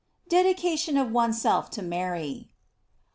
DEDICATION OF ONESELF TO MARY.